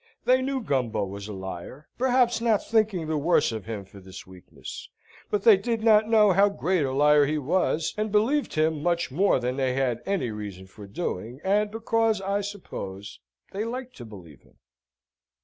They knew Gumbo was a liar, perhaps not thinking the worse of him for this weakness; but they did not know how great a liar he was, and believed him much more than they had any reason for doing, and because, I suppose, they liked to believe him.